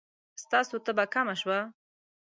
ستاسو تبه کمه شوه؟